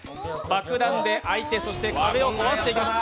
爆弾であいて、壁を壊していきます